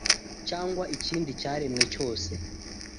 cyangwa ikindi cyaremwe cyose